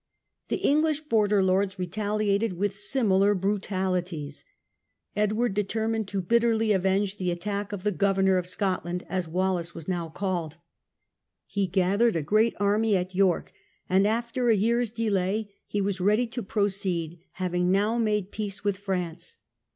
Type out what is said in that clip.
The English border lords retaliated with similar brutalities, Edward determined to bitterly avenge the attack of the " governor of Scotland ", as Wallace was now called. He gathered a great army at York, and after a year's delay he was ready to proceed, having now made peace with France.